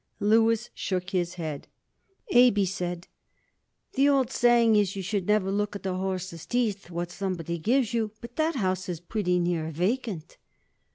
Louis shook his head. "Abe," he said, "the old saying is you should never look at a horse's teeth what somebody gives you, but that house is pretty near vacant."